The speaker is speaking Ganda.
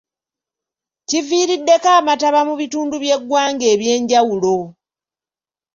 Kiviiriddeko amataba mu bitundu by'eggwanga eby'enjawulo.